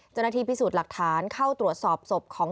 เจ้าหน้าที่พิสูจน์หลักฐานเข้าตรวจสอบศพของ